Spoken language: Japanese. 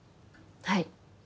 はい。